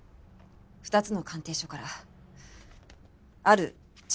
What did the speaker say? ２つの鑑定書からある事実がわかりました。